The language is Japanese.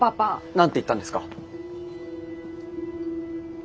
何て言ったんですか？